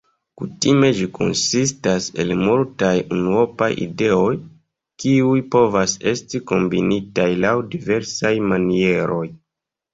Kutime ĝi konsistas el multaj unuopaj ideoj, kiuj povas esti kombinitaj laŭ diversaj manieroj.